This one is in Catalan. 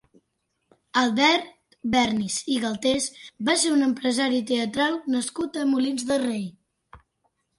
Albert Bernis i Galtés va ser un empresari teatral nascut a Molins de Rei.